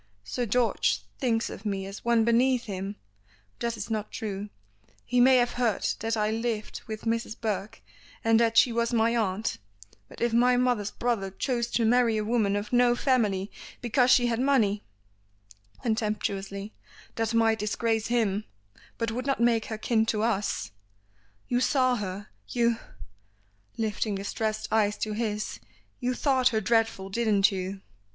Sir George thinks of me as one beneath him; that is not true. He may have heard that I lived with Mrs. Burke, and that she was my aunt; but if my mother's brother chose to marry a woman of no family because she had money," contemptuously, "that might disgrace him, but would not make her kin to us. You saw her, you " lifting distressed eyes to his "you thought her dreadful, didn't you?"